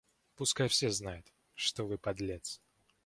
Пускай все знают, что вы подлец!